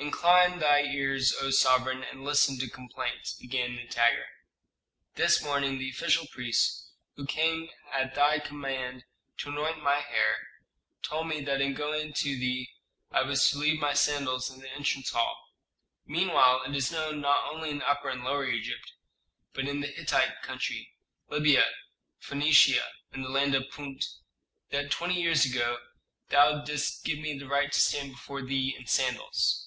"Incline thy ears, O sovereign, and listen to complaints," began Nitager. "This morning the official priest, who came at thy command to anoint my hair, told me that in going to thee I was to leave my sandals in the entrance hall. Meanwhile it is known, not only in Upper and Lower Egypt, but in the Hittite country, Libya, Phœnicia, and the land of Punt, that twenty years ago thou didst give me the right to stand before thee in sandals."